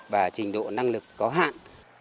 và trình độ năng lực có hạn